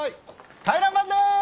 回覧板でーす！